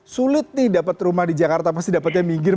sulit nih dapat rumah di jakarta pasti dapatnya minggir